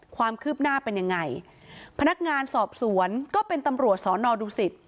ความคืบหน้าเป็นยังไงพนักงานสอบสวนก็เป็นตำรวจสอนอดูสิต